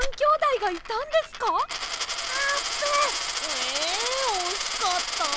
えおしかった！